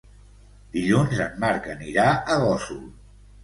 Dilluns en Marc anirà a Gósol.